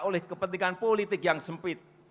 oleh kepentingan politik yang sempit